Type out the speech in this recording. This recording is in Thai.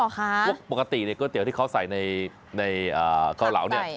เข้าอยู่หรือคะปกติในก๋วยเตี๋ยวที่เขาใส่ในเกาเหลา